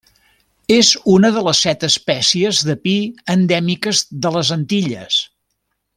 És una de les set espècies de pi endèmiques de les Antilles.